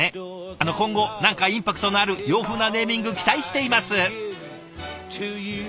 あの今後何かインパクトのある洋風なネーミング期待しています。